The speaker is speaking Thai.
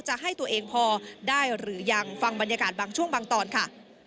จะให้ตัวเองพอได้หรือยังฟังบรรยากาศบางช่วงบางตอนค่ะ